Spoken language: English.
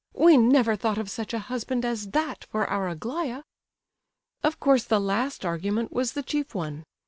We never thought of such a husband as that for our Aglaya!" Of course, the last argument was the chief one.